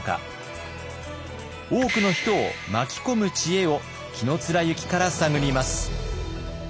多くの人を巻き込む知恵を紀貫之から探ります。